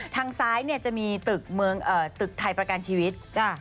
ทางซ้ายเนี่ยจะมีตึกเมืองตึกไทยประกันชีวิต